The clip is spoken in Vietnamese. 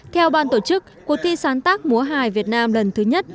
theo ban tổ chức cuộc thi sáng tác múa hài việt nam lần thứ nhất